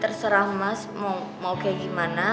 terserah mas mau kayak gimana